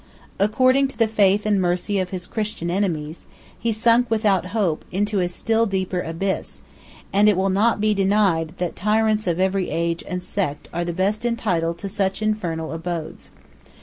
According to the faith and mercy of his Christian enemies, he sunk without hope into a still deeper abyss; 107 and it will not be denied, that tyrants of every age and sect are the best entitled to such infernal abodes.